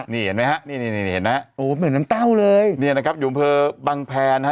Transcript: นี่เห็นไหมฮะเหมือนน้ำเต้าเลยนี่นะครับอยู่บรรพีบังแพรนะฮะ